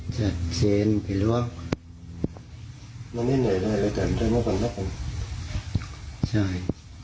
ใช่